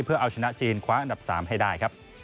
เพื่อเอาชนะจีนขวาอันตับ๓ให้ได้